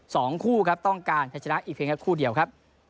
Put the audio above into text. สองคู่ครับต้องการจะชนะอีกเพียงแค่คู่เดียวครับ